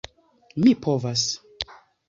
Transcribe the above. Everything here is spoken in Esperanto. Mi povas.